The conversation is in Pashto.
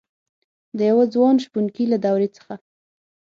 دیوه ځوان شپونکي له دروي څخه